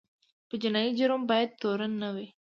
په جنایي جرم باید تورن نه وي.